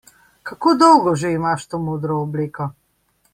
Kako dolgo že imaš to modro obleko?